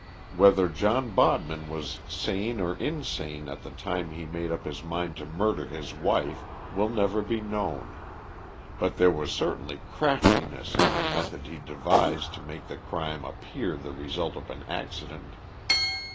Whether John Bodman was sane or insane at the time he made up his mind to murder his wife, will never be known, but there was certainly craftiness in the method he devised to make the crime appear the result of an accident.